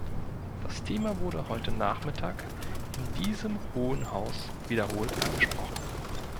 Das Thema wurde heute Nachmittag in diesem Hohen Haus wiederholt angesprochen.